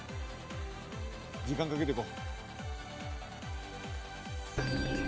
時間かけていこう。